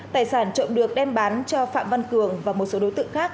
tài sản trộm được đem bán cho phạm văn cường và một số đối tượng khác